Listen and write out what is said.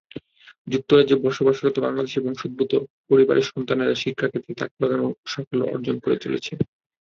যুক্তরাজ্যে বসবাসরত বাংলাদেশি বংশোদ্ভূত পরিবারের সন্তানেরা শিক্ষাক্ষেত্রে তাক লাগানো সাফল্য অর্জন করে চলেছে।